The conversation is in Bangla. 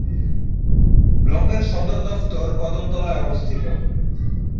ব্লকের সদর দফতর কদমতলায় অবস্থিত।